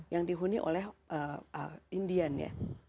yang dihuni oleh indian ya